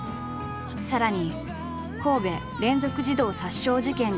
さらに神戸連続児童殺傷事件が発生。